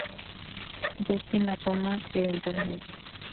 Dustin la toma accidentalmente.